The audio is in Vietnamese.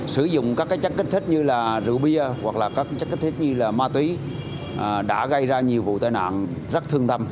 sử dụng các chất kích thích như rượu bia hoặc ma túy đã gây ra nhiều vụ tai nạn rất thương tâm